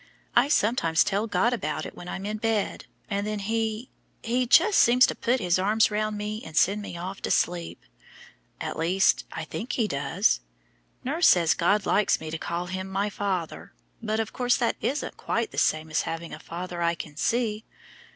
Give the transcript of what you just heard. I sometimes tell God about it when I'm in bed, and then He He just seems to put His arms round me and send me off to sleep; at least, I think He does. Nurse says God likes me to call Him my Father, but of course that isn't quite the same as having a father I can see.